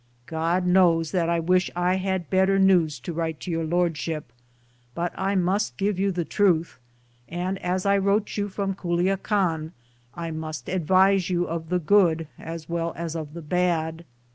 God knows that I wish I had better news to write to Your Lordship, but I must give you the truth, and, as I wrote you from Culiacan, I must advise you of the good as well as of the bad.